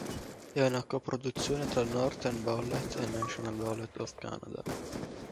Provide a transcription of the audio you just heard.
È una coproduzione tra Northern Ballet e National Ballet of Canada.